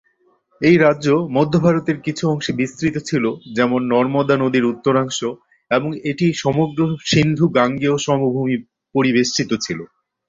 এই রাজ্য মধ্য ভারতের কিছু অংশে বিস্তৃত ছিল, যেমন নর্মদা নদীর উত্তরাংশ, এবং এটি সমগ্র সিন্ধু-গাঙ্গেয় সমভূমি পরিবেষ্টিত ছিল।